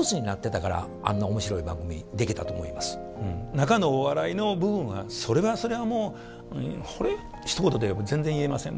中のお笑いの部分はそれはそれはもうひと言でやっぱ全然言えません。